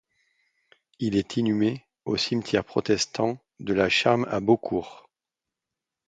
Il est inhumé au cimetière protestant de la Charme à Beaucourt.